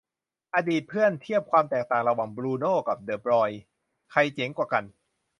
อดีตเพื่อน เทียบความแตกต่างระหว่าง บรูโน่ กับ เดอ บรอยน์ ใครเจ๋งกว่ากัน